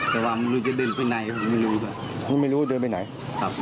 แต่ว่ามันรู้จะเดินไปไหนผมไม่รู้ไม่รู้เดินไปไหนครับ